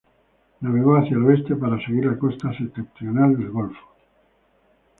Navegó hacia el oeste para seguir la costa septentrional del Golfo.